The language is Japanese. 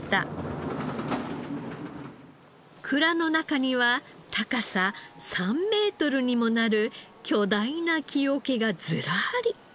蔵の中には高さ３メートルにもなる巨大な木桶がずらり。